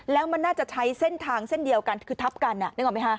แล้วมันน่าจะใช้เส้นทางเส้นเดียวกันคือทับกันนึกออกไหมฮะ